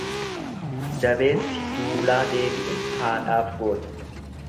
Dabeessi duulaa deebi'e haadhaaf goota.